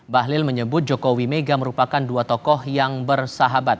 bahlil menyebut jokowi mega merupakan dua tokoh yang bersahabat